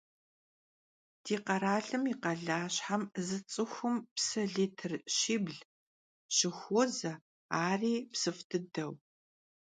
Di kheralım yi khalaşhem zı ts'ıxum psı litr şibl şıxuoze, ari psıf' dıdeu.